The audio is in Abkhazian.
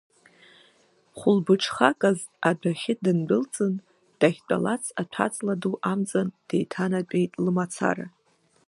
Хәылбыҽхаказ адәахьы дындәылҵын, дахьтәалац аҭәаҵла ду амҵан деиҭанатәеит лымацара.